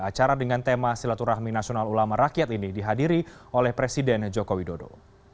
acara dengan tema silaturahmi nasional ulama rakyat ini dihadiri oleh presiden joko widodo